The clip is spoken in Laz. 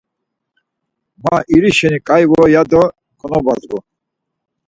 Ma iri şeni ǩai vore ya do konobazgu.